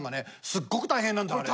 すっごく大変なんだあれ。